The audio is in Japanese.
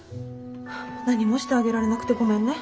何もしてあげられなくてごめんね。